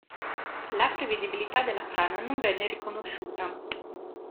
La prevedibilità della frana non venne riconosciuta.